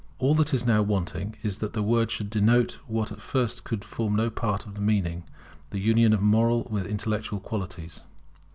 All that is now wanting is that the word should denote what at first could form no part of the meaning, the union of moral with intellectual qualities.